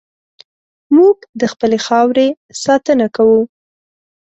موږ د خپلې خاورې ساتنه کوو.